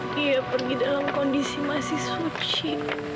dia pergi dalam kondisi masih suci